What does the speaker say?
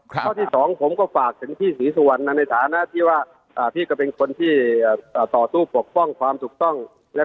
ข้อที่สองผมก็ฝากถึงพี่ศรีสุวรรณในฐานะที่ว่าพี่ก็เป็นคนที่ต่อสู้ปกป้องความถูกต้อง